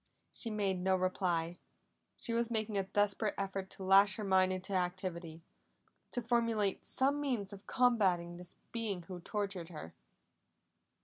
She made no reply; she was making a desperate effort to lash her mind into activity, to formulate some means of combating the being who tortured her.